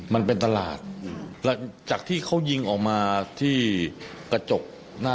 มันถูกว่าจะไปรมแม่ค้า